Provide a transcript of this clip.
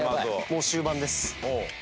もう終盤です。